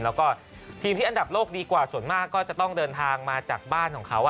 แล้วก็ทีมที่อันดับโลกดีกว่าส่วนมากก็จะต้องเดินทางมาจากบ้านของเขา